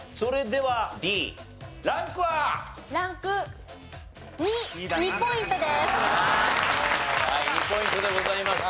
はい２ポイントでございました。